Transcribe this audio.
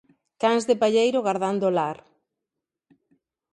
cans de palleiro gardando o lar;